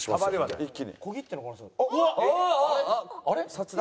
札だ！